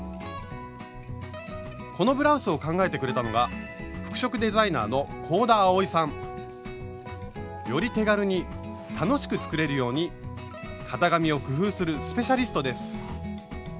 このブラウスを考えてくれたのがより手軽に楽しく作れるように型紙を工夫するスペシャリストです！